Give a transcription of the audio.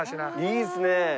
いいですね。